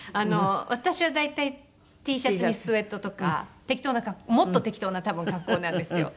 私は大体Ｔシャツにスウェットとか適当なもっと適当な多分格好なんですよ。